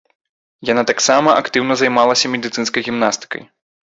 Яна таксама актыўна займалася медыцынскай гімнасткай.